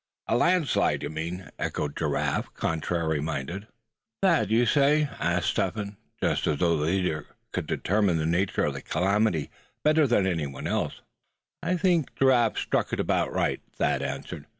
"A landslide, you mean!" echoed Giraffe, contrary minded. "Thad, you say?" asked Step Hen; just as though the leader could determine the nature of the calamity better than any one else. "I think Giraffe struck it about right," Thad answered.